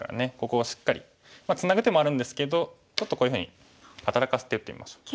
ここをしっかりツナぐ手もあるんですけどちょっとこういうふうに働かせて打ってみましょう。